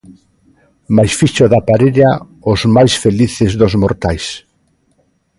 Mais fixo da parella os máis felices dos mortais...